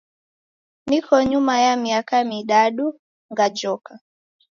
Niko nyuma ya miaka midadu ngajoka.